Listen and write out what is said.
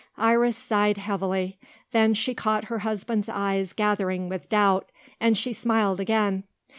Iris sighed heavily, Then she caught her husband's eyes gathering with doubt, and she smiled again.